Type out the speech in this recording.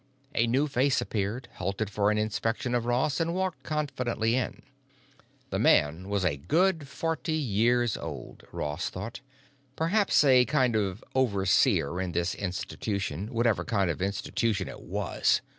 A new face appeared, halted for an inspection of Ross, and walked confidently in. The man was a good forty years old, Ross thought; perhaps a kind of overseer in this institution—whatever kind of institution it was.